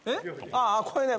ああこれね。